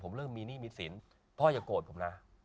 ผมเริ่มมีหนี้มีสินพ่ออย่าโกรธผมนะ